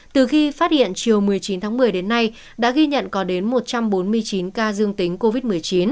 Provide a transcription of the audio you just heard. từ khi phát hiện chiều một mươi chín tháng một mươi đến nay đã ghi nhận có đến một trăm bốn mươi chín ca dương tính covid một mươi chín